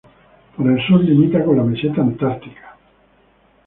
Por el sur limita con la meseta Antártica.